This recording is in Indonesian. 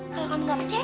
kalau kamu nggak percaya